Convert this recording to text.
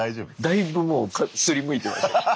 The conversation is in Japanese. だいぶもう擦りむいてましたけど。